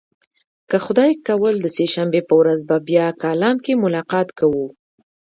که خدای کول د سه شنبې په ورځ به بیا کالم کې ملاقات کوو.